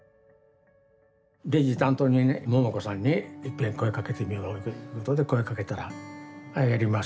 レジ担当にねももこさんにいっぺん声かけてみようということで声かけたら「あっやります」